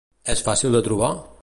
És fàcil de trobar?